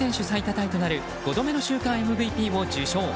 タイとなる５度目の週間ＭＶＰを受賞。